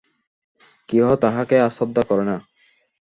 কেহ তাহাকে আর শ্রদ্ধা করে না।